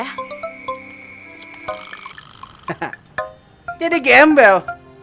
haha jadi gembel